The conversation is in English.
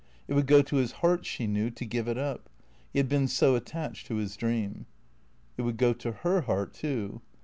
It would go to his heart, she knew, to give it up; he had been so attached to his dream. It would go to her heart, too.